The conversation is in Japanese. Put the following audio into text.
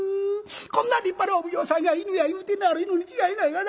こんな立派なお奉行さんが犬や言うてんねやから犬に違いないがな。